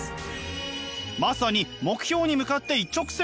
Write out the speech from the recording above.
まさに目標に向かって一直線。